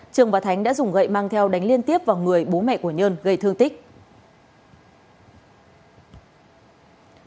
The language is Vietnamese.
trường và thánh đã dùng gậy mang theo đánh liên tiếp vào người bố mẹ của nhơn gây thương tích